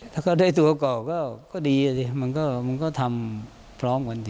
ถ้าเขาได้ตัวก่อก็ดีสิมันก็ทำพร้อมกันสิ